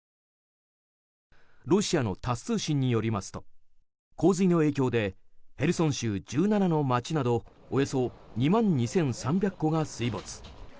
ロシアのタス通信によりますと洪水の影響でヘルソン州１７の街などおよそ２万２３００戸が水没。